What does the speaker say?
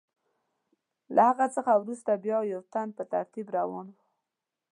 له هغه څخه وروسته بیا یو تن په ترتیب روان و.